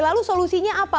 lalu solusinya apa